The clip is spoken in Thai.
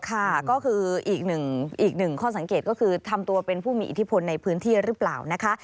ค่ะก็คืออีกหนึ่งอีกหนึ่งข้อสังเกตก็คือทำตัวเป็นผู้มีอิทธิพลในพื้นที่หรือเปล่านะคะ